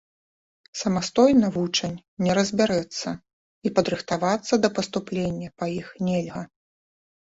Самастойна вучань не разбярэцца, і падрыхтавацца да паступлення па іх нельга.